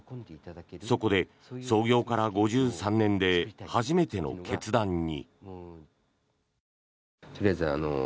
そこで創業から５３年で初めての決断に。